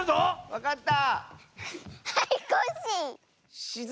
わかった！